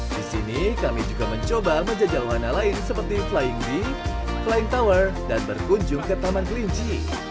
di sini kami juga mencoba menjajal warna lain seperti flying bee flying tower dan berkunjung ke taman kelinci